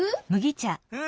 うん。